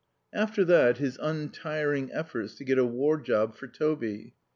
After that, his untiring efforts to get a war job for Toby.